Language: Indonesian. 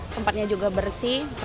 tempatnya juga bersih